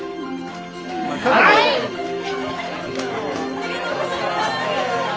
ありがとうございます！